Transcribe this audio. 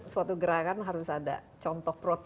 suatu gerakan harus ada contoh protein